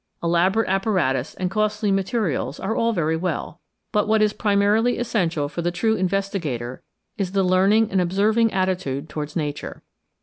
Elaborate apparatus and costly materials are all very well, but what is primarily essential 341 GREAT DISCOVERIES for the true investigator is the learning and observing attitude towards Nature.